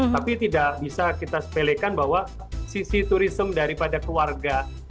tapi tidak bisa kita sepelekan bahwa sisi turism daripada keluarga